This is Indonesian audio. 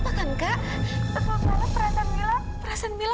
begitu sana perasaan mila